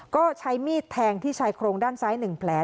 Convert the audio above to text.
ก็ใช้มีดแทงที่ชายโครงด้านซ้าย๑แผล